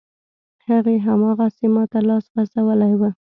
هغې، هماغسې ماته لاس غځولی و.